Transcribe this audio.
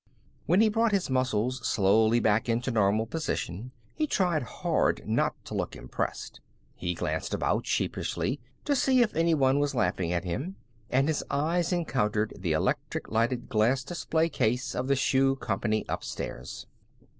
When he brought his muscles slowly back into normal position he tried hard not to look impressed. He glanced about, sheepishly, to see if any one was laughing at him, and his eye encountered the electric lighted glass display case of the shoe company upstairs.